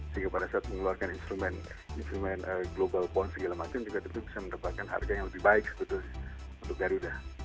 sehingga pada saat mengeluarkan instrumen instrumen global bond segala macam juga tentu bisa mendapatkan harga yang lebih baik sebetulnya untuk garuda